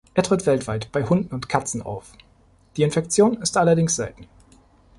Er tritt weltweit bei Hunden und Katzen auf, die Infektion ist allerdings selten.